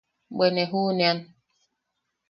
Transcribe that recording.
Bwe ne juʼunean.